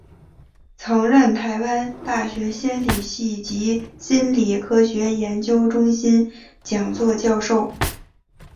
曾任台湾大学心理学系及心理科学研究中心讲座教授。